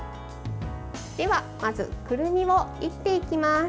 では、まずくるみを煎っていきます。